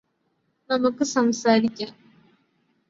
നമുക്ക് സംസാരിക്കാം